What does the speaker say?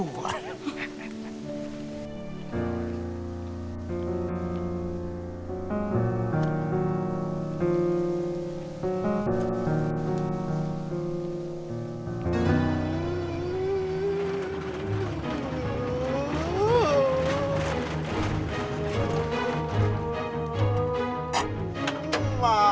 tidak ada yang bisa dihidupkan